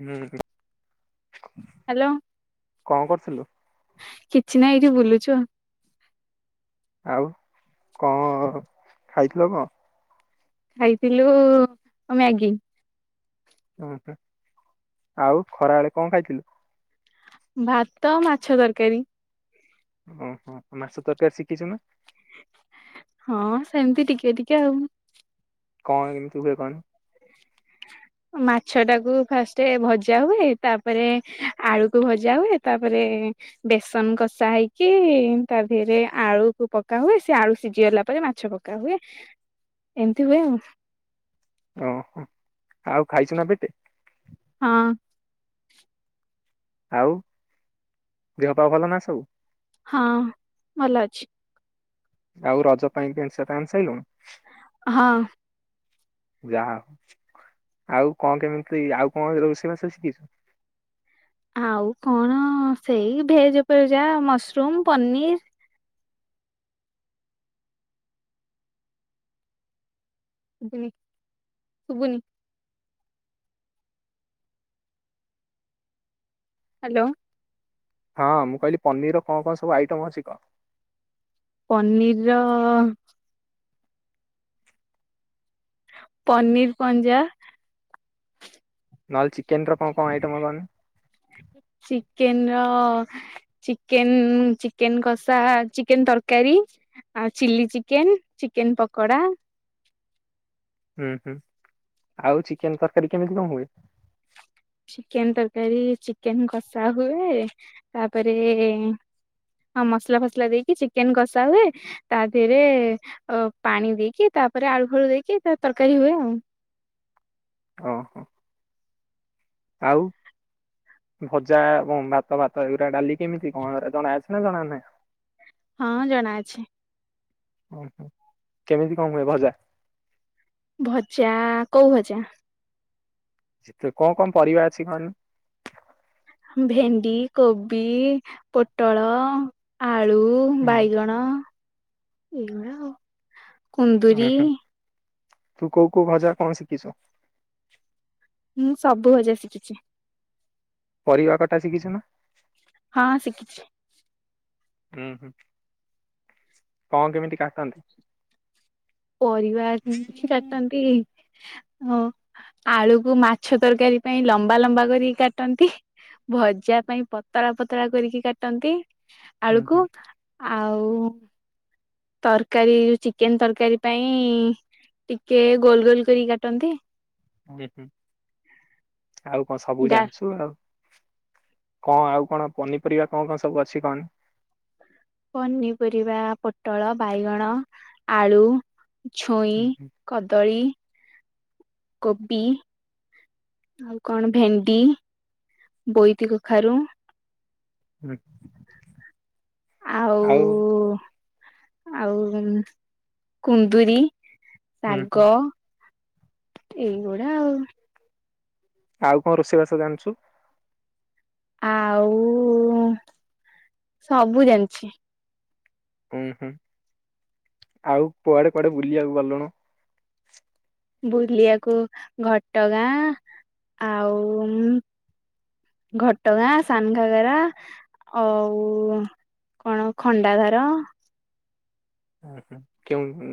ହୁଁ ହୁଁ। ହ୍ୟାଲୋ କଣ କରୁଥିଲୁ କିଛି ନାଇଁ ଏଇଠି ବୁଲୁଛୁ ଆଉ। ଆଉ କଣ ଖାଇଥିଲ କଣ? ଖାଇଥିଲୁ ମ୍ୟାଗି। ଓହୋ ଆଉ ଖରାବେଳେ କଣ ଖାଇଥିଲୁ? ଭାତ ମାଛ ତରକାରୀ। ଓହୋ ମାଛ ତରକାରୀ ଶିଖିଛୁ ନା? ହଁ ସେମିତି ଟିକେ ଟିକେ ଆଉ। କଣ କେମିତି ହୁଏ କହନି? ମାଛଟାକୁ ଫାଷ୍ଟ ଭଜା ହୁଏ ତାପରେ ଆଳୁକୁ ଭଜା ହୁଏ ତାପରେ ବେସନ କଷା ହେଇକି ତା ଦିହରେ ଆଳୁକୁ ପକାହୁଏ ସେ ଆଳୁ ସିଝି ଗଲା ପରେ ମାଛ ପ କା ହୁଏ ଏମିତି ହୁଏ ଆଉ। ଓ। ଆଉ ଖାଇଛୁ ନା ପେଟେ? ହଁ। ଆଉ ଦେହ ପା ଭଲ ନା ସବୁ? ହଁ ଭଲ ଅଛି। ଆଉ ରଜ ପାଇଁ ପେଣ୍ଟ ସାର୍ଟ ଆଣି ସାଇଲୁଣୁ? ହଁ। ଯାହା ହଉ ଆଉ କଣ କେମିତି ଆଉ କଣ ରୋଷେଇବାସ ଶିଖିଛୁ? ଆଉ କଣ ସେଇ ଭେଜ ଉପରେ ଯାହା ମସରୁମ ପନିର [unintelligible] ଶୁବୁନି। ହାଲୋ। ହଁ ମୁଁ କହିଲି ପନିର ର କଣ କଣ ସବୁ ଆଇଟମ୍ ଅଛି କ? ପନିର ର ପନିର ପଞ୍ଜା ନହଲେ ଚିକେନର କଣ କଣ ଆଇଟମ୍ କହନି? ଚିକେନର ଚିକେନ ଚିକେନ କଷା ଚିକେନ ତରକାରୀ ଆଉ ଚିଲି ଚିକେନ ଚିକେନ ପକୋଡା ହୁଁ ହୁଁ ଆଉ ଚିକେନ ତରକାରୀ କେମିତି କଣ ହୁଏ? ଚିକେନ ତରକାରୀ ଚିକେନ କଷା ହୁଏ ତାପରେ ହଁ ମସଲା ଫସଲା ଦେଇକି ଚିକେନ କଷା ହୁଏ। ତା ଦେହରେ ଅ ପାଣି ଦେଇକି ତାପରେ ଆଳୁ ଫାଳୁ ଦେଇକି ତା ତରକାରୀ ହୁଏ ଆଉ। ଓହୋ ଆଉ ଭଜା ଏବଂ ଭାତ ଭାତ ଏଗୁରା ଡାଲି କେମିତି କଣ ଜଣା ଅଛି ନା ଜଣା ନାହିଁ? ହଁ ଜଣାଅଛି। ଓହୋ କେମିତି କଣ ହୁଏ ଭଜା? ଭଜା କୋଉ ଭଜା? କଣ କଣ ପରିବା ଅଛି କହନି? ଭେଣ୍ଡି, କୋବି, ପୋଟଳ, ଆଳୁ ହୁଁ ବାଇଗଣ ଏଇଗୁଡା ଆଉ। ହୁଁ କୁନ୍ଦୁରି ହୁଁ ତୁ କୋଉ କୋଉ ଭଜା କଣ ଶିଖିଚୁ? ମୁଁ ସବୁ ଭଜା ଶିଖିଚି। ପରିବା କଟା ଶିଖିଚୁ ନା? ହଁ ଶିଖିଛି ଉଁ ହୁଁ କଣ କେମିତି କାଟନ୍ତି? ପରିବାର କେମିତି କାଟନ୍ତି। ହଁ ଆଳୁକୁ ମାଛ ତରକାରୀ ପାଇଁ ଲମ୍ବା ଲମ୍ବା କରିକି କାଟନ୍ତି। ଭଜା ପାଇଁ ପତଳା ପତଳା କରିକି କାଟନ୍ତି। ହୁଁ ଆଳୁ ହୁଁ କୁ ଆଉ ତରକାରୀ ଚିକେନ ତରକାରୀ ପାଇଁ ଟିକେ ଗୋଲ ଗୋଲ କରି କାଟନ୍ତି। ହୁଁ ହୁଁ ଆଉ କଣ ସବୁ ଡା ଜାଣିଚୁ ଆଉ। କଣ ଆଉ କଣ ପନିପରିବା କଣ କଣ ସବୁ ଅଛି କଣ? ପନିପରିବା ପୋଟଳ ବାଇଗଣ ଆଳୁ ଛୁଇଁ ହୁଁ ହୁଁ କଦଳୀ କୋବି। ଆଉ କଣ ଭେଣ୍ଡି ବୋଇତି କଖାରୁ ହୁଁ ଆଉ। ଓ ଆଉ କୁନ୍ଦୁରି। ହୁଁ ହୁଁ ଶାଗ ଏଇଗୁଡା ଆଉ। ଆଉ କଣ ରୋଷେଇବାସ ଜାଣିଚୁ? ଆଉ ସବୁ ଜାଣିଛି। ହୁଁ ହୁଁ ଆଉ କୁଆଡେ କୁଆଡେ ବୁଲିବାକୁ ଗଲୁଣି? ବୁଲିବାକୁ ଘଟଗାଁ ଆଉ ଘଟଗାଁ ସାନ ଘାଗରା ଅଉ କଣ ଖଣ୍ଡା ଧାର। ଓ ହ କେଉଁ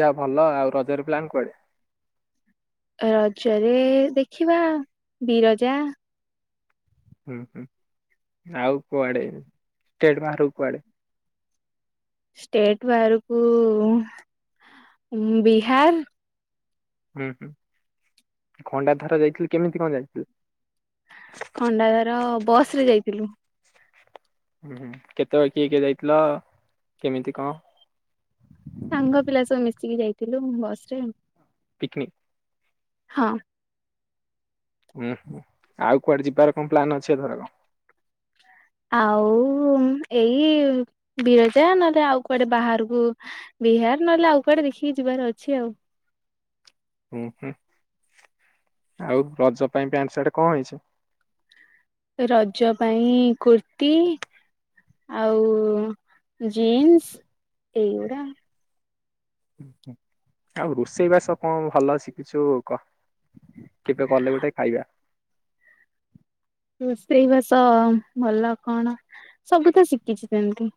ଯାହା ଭଲ ଆଉ ରଜରେ ପ୍ଲାନ୍ କୁଆଡେ? ରଜରେ ଦେଖିବା ବିରଜା। ହୁଁ ହୁଁ ଆଉ କୁଆଡେଷ୍ଟେଟ ବାହାରକୁ କୁଆଡେ? ଷ୍ଟେଟ୍ ବାହାରକୁ ବିହାର। ହୁଁ ହୁଁ ଖଣ୍ଡା ଧାର ଯାଇଥିଲୁ କେମିତି କଣ ଯାଇଥିଲୁ? ଖଣ୍ଡାଧାର ବସ ରେ ଯାଇଥିଲୁ। ହୁଁ ହୁଁ କେତେବେଳେ କିଏ କିଏ ଯାଇଥିଲ କେମିତି କଣ? ସାଙ୍ଗ ପିଲା ସବୁ ମିଶିକି ଯାଇଥିଲୁ ବସ ରେ। ପିକିନିକି। ହଁ। ଉୁଁ ହୁଁ ଆଉ କୁଆଡେ ଯିବାର କଣ ପ୍ଲନ୍ ଅଛି ଏଘରକ? ଆଉ ଏଇ ବିରଜା ନହେଲେ ଆଉ କୁଆଡେ ବାହାରକୁ ବିହାର ନହେଲେ ଆଉ କୁଆଡେ ଦେଖିକି ଯିବାର ଅଛି ଆଉ। ଓଁ ହୁଁ ଆଉ ରଜ ପାଇଁ ପ୍ୟାଣ୍ଟ ସାର୍ଟ କଣ ହେଇଛି? ରଜ ପାଇଁ କୁର୍ତି ଆଉ ଜିନ୍ସ ଏଇଗୁଡା। ଆଉ ରୋଷେଇ ବାସ କଣ ଭଲ ଶିଖିଛୁ କହ? କେବେ କଲେ ଗୋଟେ ଖାଇବା। ରୋଷେଇବାସ ଭଲ କଣ ସବୁ ତ ଶିଖିଛି ସେମିତି।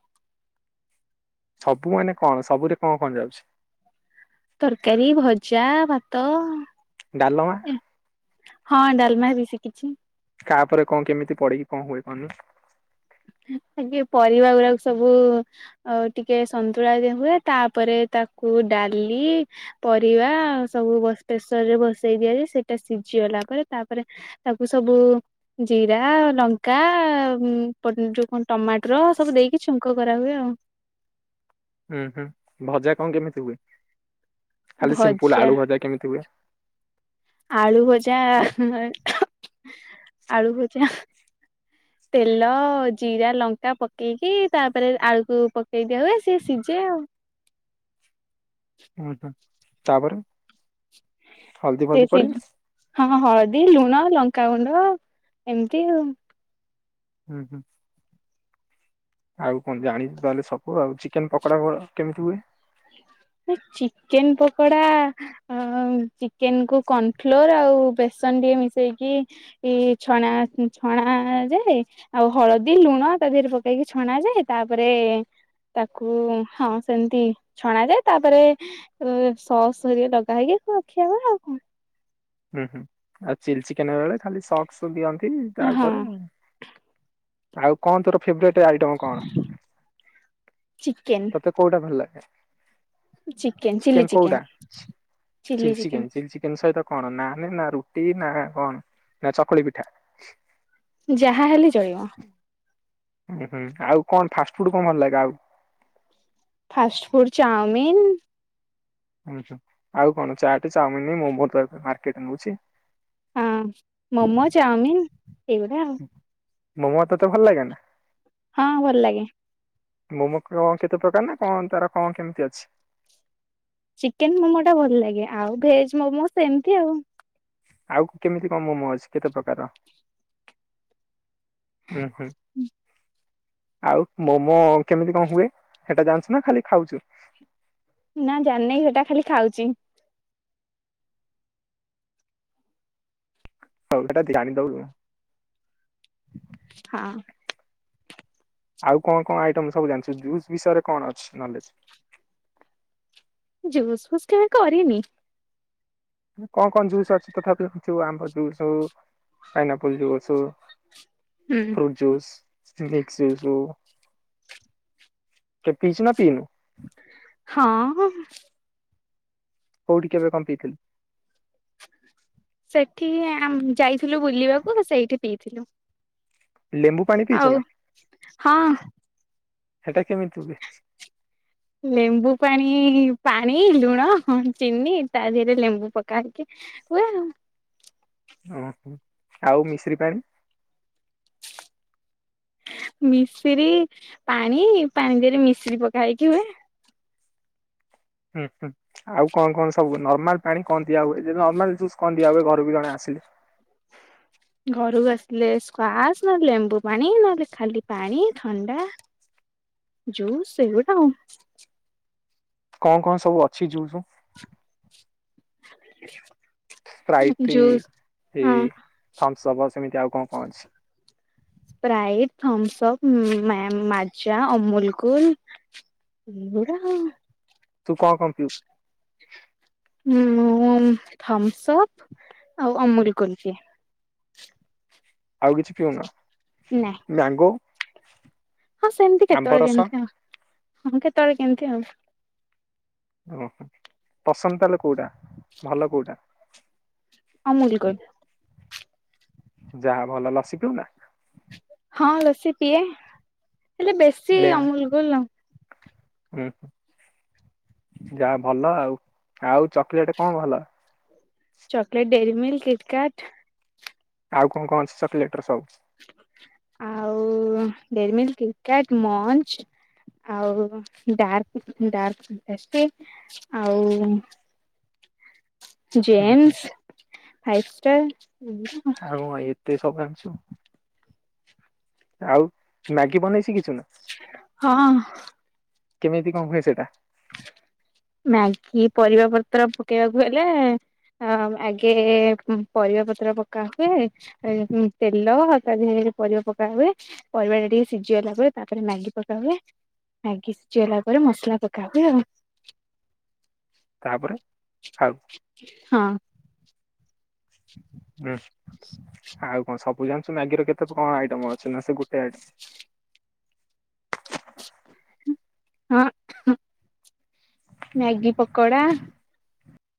ସବୁ ମାନେ କଣ ସବୁରେ କଣ କଣ ଯାଉଛି? ତରକାରୀ, ଭଜା, ଭାତ ଡାଲମା। ହଁ ଡାଲମା ବି ଶିଖିଛି। କାହାପରେ କଣ କେମିତି ପଡିକି କଣ ହୁଏ କହଲ? ଆଗେ ପରିବା ଗୁରାକ ସବୁ ଆଉ ଟିକେ ସନ୍ତୁଳା ଯୋଉ ହୁଏ ତାପରେ ତାକୁ ଡାଲି ପରିବା ସବୁ ପ୍ରେସର ରେ ବସେଇ ଦିଆଯାଇ ସେଇଟା ସିଝି ଗଲା ପରେ ତାପରେ ତାକୁ ସବୁ ଜିରା, ଲଙ୍କା ପ ଯୋଉ କଣ ଟମାଟର ସବୁ ଦେଇକି ଛୁଙ୍କ କରା ହୁଏ ଆଉ। ହୁଁ ହୁଁ ଭଜା କଣ କେମିତି ହୁଏ? ଖାଲି ସିମ୍ପୁଲ ଭଜା। ଆଳୁ ଭଜା କେମିତି ହୁଏ? ଆଳୁ ଭଜା [unintelligible] ଆଳୁ ଭଜା ତେଲ, ଜିରା, ଲଙ୍କା ପକେଇକି ତାପରେ ଆଳୁକୁ ପ ପକେଇ ଦିଅ ହୁଏ ସିଏ ସିଝେ ଆଉ। ଓହୋ ତାପରେ? ହଳଦୀ ସେ ଫଳଦୀ ସେଇ ପଡେ? ହଁ ହଳଦୀ, ଲୁଣ, ଲଙ୍କାଗୁଣ୍ଡ ଏମିତି ଆଉ। ହୁଁ, ହୁଁ। ଆଉ କଣ ଜାଣିଛୁ ତାହେଲେ ସବୁ ଆଉ ଚିକେନ୍ ପକୋଡା କହୁନ କେମିତି ହୁଏ? ଏ ଚିକେନ୍ ପକୋଡା ଅ ଚିକେନ କୁ କନ୍ ଫ୍ଲୋର ଆଉ ବେସନ ଟିକେ ମିଶେଇକି ଏଇ ଛଣା ଛଣା ଯାଏ। ଆଉ ହଳଦୀ, ଲୁଣ ତା ଦେହରେ ପକେଇକି ଛଣା ଯାଏ ତାପରେ ତାକୁ ହଁ ସେମିତି ଛଣାଯାଏ ତାପରେ ସସ୍ ଘରିକା ଲଗା ହେଇକି ଖିଆ ହୁଏ ଆଉ କଣ। ହୁଁ, ହୁଁ ଆଉ ଚିଲି ଚିକେନ୍ ବେଳେ ଖାଲି ସକ୍ସ ଦିଅନ୍ତି ତା ହଁ ଉପରେ ଆଉ କଣ ତୋର ଫେବ୍ରେଟ୍ ଆଇଟମ କଣ ଚିକେନ ତତେ କଉଟା ଭଲ ଲାଗେ ଚିକେନ ଚିଲି ଟିକେନ୍ ଚିକେନ କୋଉଟା chilli chicken chilli chicken chilli chicken chicken ସହିତ କଣ ନାନ୍ ନା ରୁଟି ନା କଣ ନା ଚକୁଳି ପିଠା? ଯାହା ହେଲେ ଚଳିବ। ହୁଁ ହୁଁ ଆଉ କଣ ଫାଷ୍ଟଫୁଡ୍ କଣ ଭଲ ଲାଗେ ଆଉ? Fast food chow mein. ହୁଁ, ହୁଁ ଆଉ କଣ ଚାଟେ, ଚାଉମିନ୍, ମୋମା ତ ଏବେ ମାର୍କେଟ ନଉଛି। ହୁଁ ମୋମୋ, ଚାଉମିିନ୍, ଏଇଗୁଡ଼ା। ମୋମୋ ତତେ ଭଲ ଲାଗେ ନା? ହଁ ଭଲ ଲାଗେ। ମୋମ କଣ କେତେ ପ୍ରକାର ନା କଣ ତାର କଣ କେମିତି ଅଛି? ଚିକେନ୍ ମୋମୋ ଟା ଭଲ ଲାଗେ ଆଉ ଭେଜ ମୋମୋ ସେମିତି ଆଉ। ଆଉ କେମିତି କଣ ମୋମୋ ଅଛି କେତେ ପ୍ରକାର? ହୁଁ, ହୁଁ। ଆଉ ମୋମୋ କେମିତି କଣ ହୁଏ ସେଟା ଜାଣିଛୁ ନା ଖାଲି ଖାଉଛୁ? ନା ଜାଣିନେଇ ସେଟା ଖାଲି ଖାଉଛି। ହଉ ସେଟା ଜାଣିଦଉନୁ [unintelligible] ହଁ। ଆଉ କଣ କଣ ଆଇଟମ୍ ସବୁ ଜାଣିଛ ଜୁସ୍ ବିଷୟରେ କଣ ଅଛି ନଲେଜ? ଜୁସ୍ ଫୁସ୍ କେବେ କରିନି କଣ କଣ ଜୁସ ଅଛି ତଥାପି କରିଛୁ ଆମ୍ବ ଜୁସ ହଉ ପାଇନାପୁଲ୍ ଯୁସ୍ ହଉ ହୁଁ ଫ୍ରୁଟ ଜୁସ ମିକ୍ସ ଜୁସ କେ ପିଛୁ ନା ପିନୁ ହଁ କୋଉଠି କେବେ କଣ ପିଥିଲୁ ସେଇଠି ଆମ୍ ଯାଇଥିଲୁ ବୁଲିବାକୁ ସେଇଠି ପିଇଥିଲୁ ଲେମ୍ବୁ ପାଣି ପିଇଛୁ ଆଉ ନା ହଁ ହେଟା କେମିତି ହୁଏ ଲେମ୍ବୁ ପାଣି ପାଣି ଲୁଣ ଚିନି ତା ଦେହରେ ଲେମ୍ବୁ ପକା ହେଇକି ହୁଏ ଆଉ ଓହୋ ଆଉ ମିଶ୍ରୀ ପାଣି ମିଶ୍ରୀ ପାଣି ପାଣି ଦେରେ ମିଶ୍ରୀ ପକା ହେଇକି ହୁଏ ହୁଁ ହୁଁ ଆଉ କଣ କଣ ସବୁ ନର୍ମାଲ ପାଣି କଣ ଦିଆ ହୁଏ ଯେ ନର୍ମାଲ ଜୁସ୍ କଣ ଦିଆ ହୁଏ ଘରୁ କୁ ଜଣେ ଆସିଲେ ଘରୁକୁ ଆସିଲେ ସ୍କୁୱାସ୍ ନହେଲେ ଲେମ୍ବୁ ପାଣି ନହେଲେ ଖାଲି ପାଣି ଥଣ୍ଡା ଯୁସ୍ ସେଗୋଟା ଆଉ କଣ କଣ ସବୁ ଅଛି ଯୁସ୍ [inaudible] ସ୍ଫ୍ରାଇଟି ଜୁସ୍ ହଁ ଥମ୍ସବ ସେମିତି ଆଉ କଣ କଣ ଅଛି? Sprite Thums Up Maaza Amul Kool. ଏ ରାକ ତୁ କଣ କଣ ପିଉ? ମୁଁ ଥମ୍ସ ଅପ୍ ଆଉ ଅମୁଲକୁଲ ପିଏ। ଆଉ କିଛି ପିଉନା ନାଇଁ ମ୍ୟାଙ୍ଗୋ? ହଁ ସେମିତି ଆମ୍ବ କେତେବେଳେ ରସ କେମିତି ଆଉ ହଁ କେତେବେଳେ କେମିତି ଆଉ। ଓହୋ ପସନ୍ଦ ତାହେଲେ କୋଉଟା ଭଲ କୋଉଟା? ଅମୁଲକୁଲ। ଯାହା ଭଲ ଲସି ପିଉନା। ହଁ ଲସି ପିଏ ହେଲେ ବେଶୀ ଲେ ଅମୁଲକୁଲ ଆଉ। ହୁଁ ଯାହା ଭଲ ଆଉ ଆଉ ଚକୋଲେଟ କଣ ଭଲ? Chocolate Dairy Milk KitKat. ଆଉ କଣ କଣ ଅଛି ଚକୋଲେଟ ର ସବୁ? ଆଉ ଡେରମିଲ୍ କିଟ୍ କାଟ୍ ମଞ୍ଚ୍। ଆଉ ଡାର୍ ଡାର୍ ଫାଣ୍ଟାସି ଆଉ ହୁଁ ହୁଁ ଜେମ୍ସ ଫାଇଫ୍ ଷ୍ଟାର୍ [inaudible] ଆଉ ମ୍ୟାଗି ବନେଇ ସିଖିଛୁ ନା? ହଁ କେମିତି କଣ ହୁଏ ସେଟା? ମ୍ୟାଗି ପରିବା ପତ୍ର ପକେଇବାକୁ ହେଲେ ହ ଆଗେ ପରିବା ପତ୍ର ପକା ହୁଏ ତେଲ ତା ଦେହେରେ ପରିବା ପକା ହୁଏ ପରିବା ଟା ଟିକେ ସିଝିଗଲା ପରେ ତାପରେ ମ୍ୟାଗି ପକା ହୁଏ ମ୍ୟାଗି ସିଝିଗଲା ପରେ ମସଲା ପକା ହୁଏ ଆଉ। ତାପରେ ଖାଉ? ହଁ। ହୁଁ। ଆଉ କଣ ସବୁ ଜାଣିଛୁ ମ୍ୟାଗିର କେତେ କଣ ଆଇଟମ ଅଛି ନା ସେ ଗୋଟେ ଆଇ? ହଁ ମ୍ୟାଗି ପକୋଡା।